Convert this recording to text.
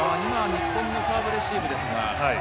今、日本のサーブレシーブですが。